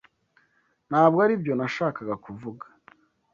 Ntabwo aribyo nashakaga kuvuga.